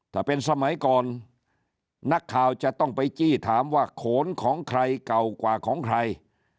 ถ้าเป็นสมัยก่อนนักข่าวจะต้องไปจี้ถามว่าโขนของใครเก่ากว่าของใคร